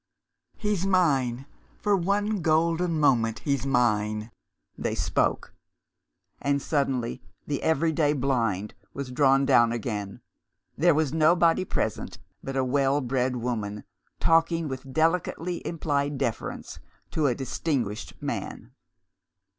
"He's mine. For one golden moment he's mine!" They spoke and, suddenly, the every day blind was drawn down again; there was nobody present but a well bred woman, talking with delicately implied deference to a distinguished man.